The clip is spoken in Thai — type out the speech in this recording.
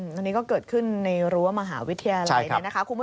อันนี้ก็เกิดขึ้นในรั้วมหาวิทยาลัยนะครับ